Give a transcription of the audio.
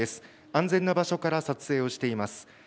安全な場所から撮影をしています。